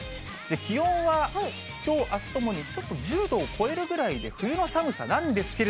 気温はきょう、あすともに、ちょっと１０度を超えるぐらいで冬の寒さなんですけ